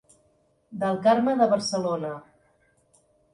Del Carme de Barcelona.